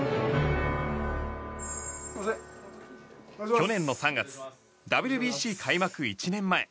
去年の３月ＷＢＣ開幕１年前。